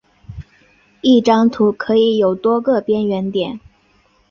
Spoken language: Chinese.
一张图可以有多个边缘点。